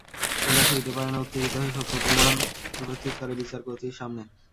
এলা সইতে পারে না, উত্তেজিত হয়ে সত্য প্রমাণ উপস্থিত করে বিচারকর্ত্রীর সামনে।